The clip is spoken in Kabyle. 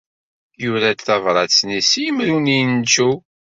Yura-d tabṛat-nni s yimru n yincew.